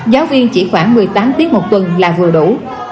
giáo viên chỉ khoảng một mươi tám tiết một tuần là vừa đủ